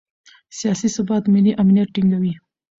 سیاسي ثبات ملي امنیت ټینګوي